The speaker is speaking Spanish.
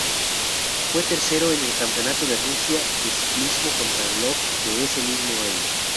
Fue tercero en el Campeonato de Rusia de Ciclismo Contrarreloj de ese mismo año.